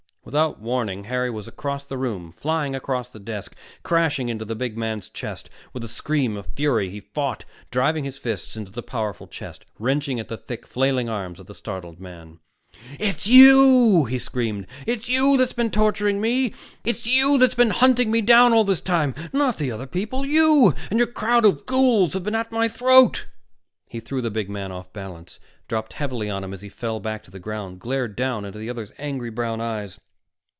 Without warning, Harry was across the room, flying across the desk, crashing into the big man's chest. With a scream of fury he fought, driving his fists into the powerful chest, wrenching at the thick, flailing arms of the startled man. "It's you!" he screamed. "It's you that's been torturing me. It's you that's been hunting me down all this time, not the other people, you and your crowd of ghouls have been at my throat!" He threw the big man off balance, dropped heavily on him as he fell back to the ground, glared down into the other's angry brown eyes.